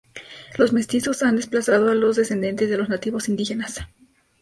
Los mestizos han desplazado a los descendientes de los nativos indígenas.